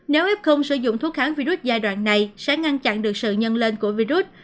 nếu f không sử dụng thuốc kháng virus giai đoạn này sẽ ngăn chặn được sự nhân lên của virus